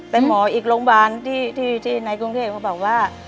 แต่หมออีกโรงพยาบาลที่ในกรุงเทพเขาบอกว่า